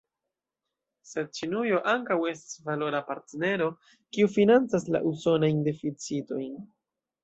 Sed Ĉinujo ankaŭ estas valora partnero, kiu financas la usonajn deficitojn.